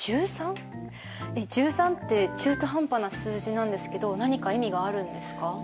１３って中途半端な数字なんですけど何か意味があるんですか？